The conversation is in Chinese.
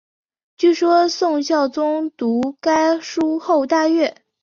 据说宋孝宗读该书后大悦。